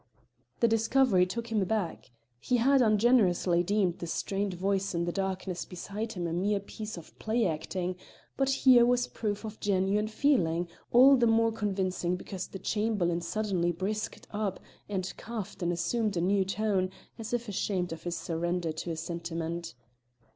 The discovery took him aback. He had ungenerously deemed the strained voice in the darkness beside him a mere piece of play acting, but here was proof of genuine feeling, all the more convincing because the Chamberlain suddenly brisked up and coughed and assumed a new tone, as if ashamed of his surrender to a sentiment.